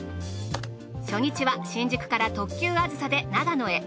初日は新宿から特急あずさで長野へ。